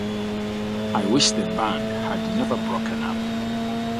I wish the band had never broken up.